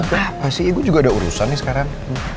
urusan apa sih gue juga ada urusan nih sekarang